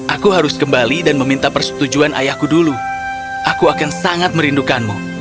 aku harus kembali dan meminta persetujuan ayahku dulu aku akan sangat merindukanmu